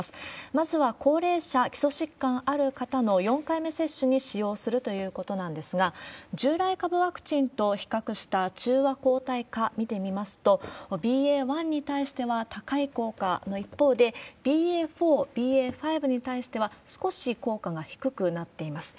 まずは高齢者、基礎疾患ある方の４回目接種に使用するということなんですが、従来株ワクチンと比較した中和抗体価見てみますと、ＢＡ．１に対しては高い効果の一方で、ＢＡ．４、ＢＡ．５に対しては少し効果が低くなっています。